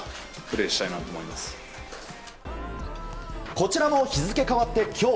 こちらも日付変わって今日。